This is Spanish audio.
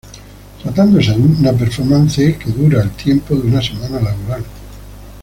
Tratándose de un performance que dura el tiempo de una semana laboral.